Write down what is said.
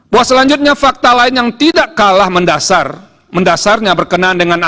buah selanjutnya fakta lain yang tidak kalah mendasarnya berkenaan